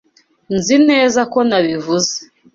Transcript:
Nzi neza ko nabivuze.